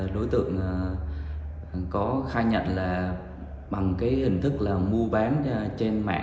đối tượng có khai nhận là bằng cái hình thức là mua bán trên mạng